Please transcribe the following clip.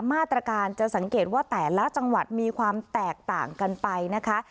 มาตรการจะสังเกตว่าแต่ละจังหวัดมีความแตกต่างกันไปนะคะ